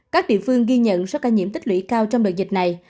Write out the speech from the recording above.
các địa phương ghi nhận số ca nhiễm tích lũy cao trong đợt dịch này